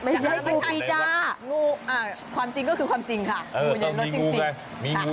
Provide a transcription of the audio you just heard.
ไม่ใช่คุณปรีชา